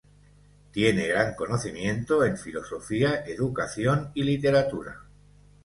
Tiene gran conocimiento en filosofía, educación y literatura.